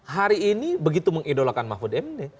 hari ini begitu mengidolakan mahfud md